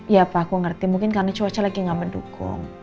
ya pak aku ngerti mungkin karena cuaca lagi nggak mendukung